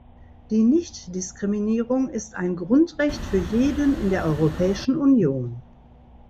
Die Nichtdiskriminierung ist ein Grundrecht für jeden in der Europäischen Union.